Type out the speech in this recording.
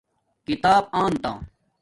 کتاپ آنتا